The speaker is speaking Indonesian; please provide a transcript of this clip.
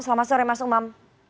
selamat sore mas umam